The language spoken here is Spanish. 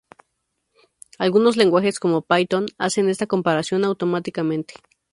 Algunos lenguajes como Python hacen esta comparación automáticamente.